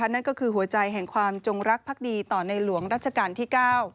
นั่นก็คือหัวใจแห่งความจงรักภักดีต่อในหลวงรัชกาลที่๙